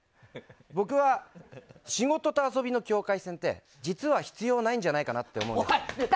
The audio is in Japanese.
僕は仕事と遊びの境界線って実は必要ないんじゃないかなって思うんです。